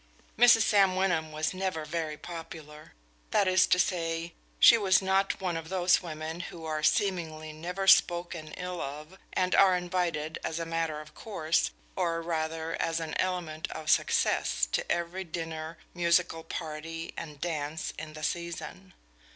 Mrs. Sam Wyndham was never very popular. That is to say, she was not one of those women who are seemingly never spoken ill of, and are invited as a matter of course, or rather as an element of success, to every dinner, musical party, and dance in the season.